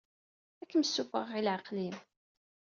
Ad akem-ssuffɣeɣ i leɛqel-im.